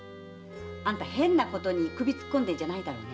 あんた変なことに首突っ込んでないだろうね？